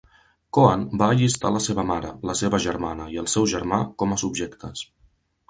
Coan va allistar la seva mare, la seva germana i el seu germà com a subjectes.